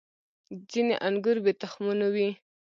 • ځینې انګور بې تخمونو وي.